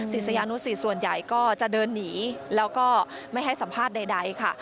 ศิษยานุสิตส่วนใหญ่ก็จะเดินหนีแล้วก็ไม่ให้สัมภาษณ์ใดค่ะ